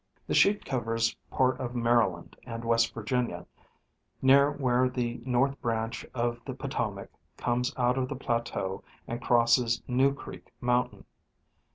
The sheet covers part of Maryland and West Virginia, near where the North Branch of the Potomac comes out of the plateau and crosses New Creek mountain.